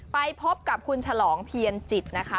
ไปพบกับคุณฉลองเพียรจิตนะคะ